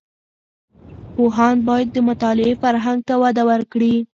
پوهاند باید د مطالعې فرهنګ ته وده ورکړي.